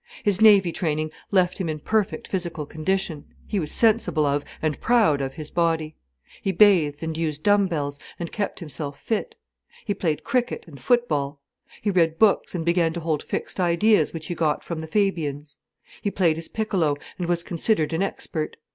His navy training left him in perfect physical condition. He was sensible of, and proud of his body. He bathed and used dumb bells, and kept himself fit. He played cricket and football. He read books and began to hold fixed ideas which he got from the Fabians. He played his piccolo, and was considered an expert.